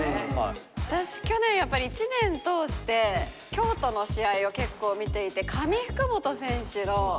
私去年やっぱり一年通して京都の試合を結構見ていて上福元選手のセービング。